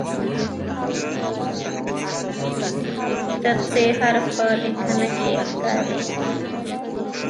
د "ث" حرف په لیکنه کې ښکاري.